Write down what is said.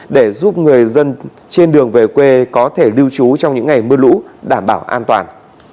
để giúp người dân trên đường về quê có thể lưu trú trong những ngày mưa lũ đảm bảo an toàn